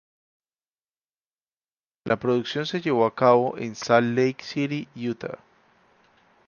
La producción se llevó a cabo en Salt Lake City, Utah.